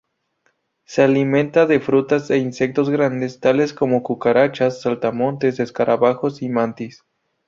Se alimenta de frutas e insectos grandes tales como cucarachas, saltamontes, escarabajos y mantis.